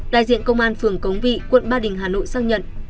đại diện công an phường cống vị quận ba đình hà nội xác nhận